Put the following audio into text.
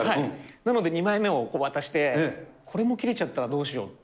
なので２枚目を渡して、これも切れちゃったらどうしようって。